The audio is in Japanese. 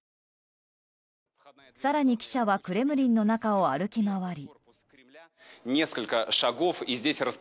更に、記者はクレムリンの中を歩き回り。